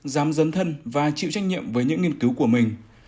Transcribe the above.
dám dấn thân và chịu trách nhiệm với những nghiên cứu của mình